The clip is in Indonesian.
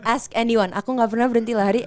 ask anyone aku gak pernah berhenti lari